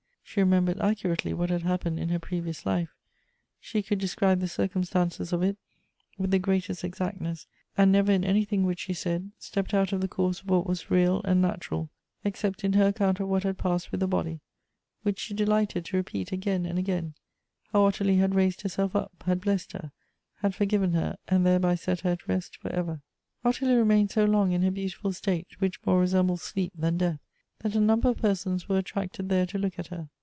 She remembered accurately what had happened in her previous life ; she coukl describe the circumstances of it with the greatest exact ness, and never in anything which she said stejjped out of the course of what was real and natural, except in her account of what had passed with the body, which she delighted to repeat again and again, how Ottilie had raised herself up, had blessed her, had forgiven her, and thereby set her at rest for ever. Ottilie remained so long in her beautiful state, which more resembled sleep than death, that a number of per sons were attracted there to look at her.